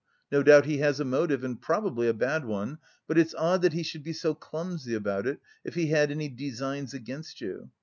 No doubt he has a motive, and probably a bad one. But it's odd that he should be so clumsy about it if he had any designs against you....